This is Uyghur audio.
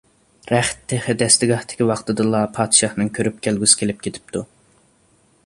رەخت تېخى دەستىگاھتىكى ۋاقتىدىلا، پادىشاھنىڭ كۆرۈپ كەلگۈسى كېلىپ كېتىپتۇ.